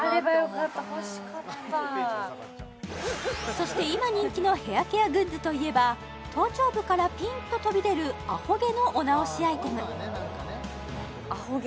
そして今人気のヘアケアグッズといえば頭頂部からピンと飛び出る出ますよね